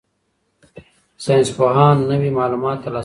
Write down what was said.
ساینسپوهان نوي معلومات ترلاسه کوي.